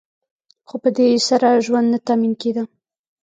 خو په دې سره ژوند نه تأمین کیده.